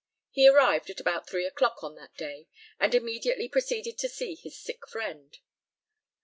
He arrived at about three o'clock on that day, and immediately proceeded to see his sick friend.